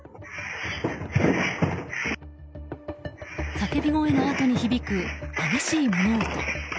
叫び声のあとに響く激しい物音。